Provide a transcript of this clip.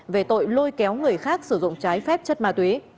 về tội lôi kéo người khác sử dụng trái phép chất ma túy